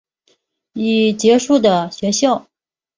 已结束的学校